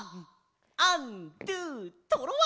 アンドゥトロワ！